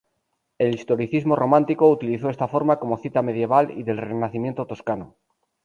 El historicismo romántico utilizó esta forma como cita medieval y del renacimiento toscano.